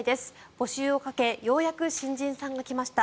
募集をかけようやく新人さんが来ました。